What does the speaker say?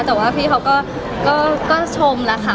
แต่ว่าพี่เขาก็ชมแล้วค่ะ